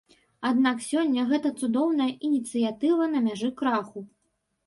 Аднак сёння гэта цудоўная ініцыятыва на мяжы краху.